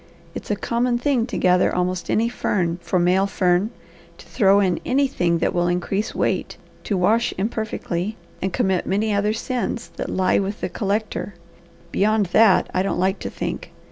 It's a common thing to gather almost any fern for male fern; to throw in anything that will increase weight, to wash imperfectly, and commit many other sins that lie with the collector; beyond that I don't like to think.